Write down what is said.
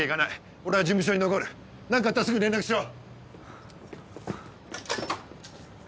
俺は事務所に残る何かあったらすぐに連絡しろ。